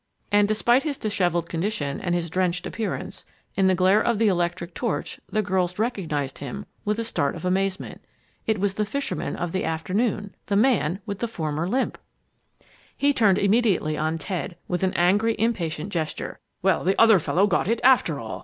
And, despite his disheveled condition and his drenched appearance, in the glare of the electric torch the girls recognized him, with a start of amazement. It was the fisherman of the afternoon the man with the former limp! [Illustration: In the glare of the electric torch the girls recognized him] He turned immediately on Ted with an angry, impatient gesture. "Well, the other fellow got it after all!